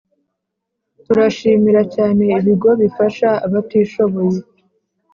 Turashimira cyane Ibigo bifasha abatishoboye.